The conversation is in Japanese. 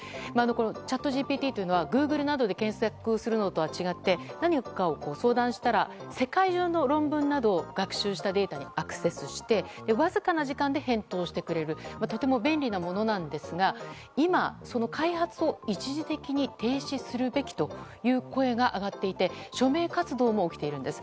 チャットＧＰＴというのはグーグルなどで検索するのとは違って、何かを相談したら世界中の論文などを学習したデータにアクセスしてわずかな時間で返答してくれるとても便利なものなんですが今、その開発を一時的に停止するべきという声が上がっていて署名活動も起きているんです。